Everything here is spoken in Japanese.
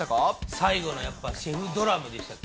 最後のやっぱりシェフドラムでしたっけ。